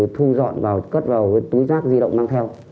thu dọn và cất vào túi rác di động mang theo